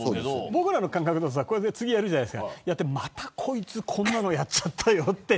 僕らの感覚だと、次もやってまたこいつこんなのやっちゃったよって。